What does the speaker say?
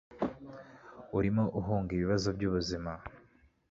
Urimo uhunga ibibazo byubuzima.